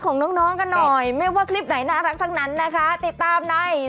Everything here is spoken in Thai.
ของน้องน้องกันหน่อยไม่ว่าคลิปไหนน่ารักทั้งนั้นนะคะติดตามใน